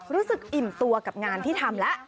อิ่มตัวกับงานที่ทำแล้ว